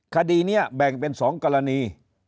คดีนี้แบ่งเป็น๒กรณี